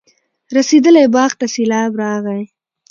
رسېدلي باغ ته سېلاب راغی.